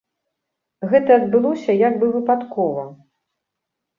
Гэта адбылося як бы выпадкова.